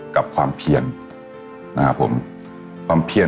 ส่วนความเพียงเราก็ถูกพูดอยู่ตลอดเวลาในเรื่องของความพอเพียง